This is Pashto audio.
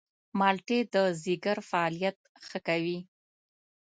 مالټې د ځيګر فعالیت ښه کوي.